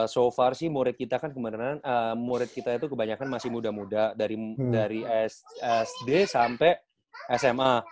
so far sih murid kita kan kebanyakan masih muda muda dari sd sampai sma